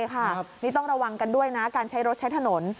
นี่ต้องระวังกันด้วยนะการใช้รถใช้ถนน